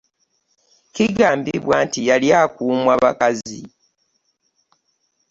Kigambibwa nti yali akuumwa bakazi.